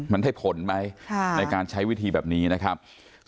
มันได้ผลไหมในการใช้วิธีแบบนี้นะครับ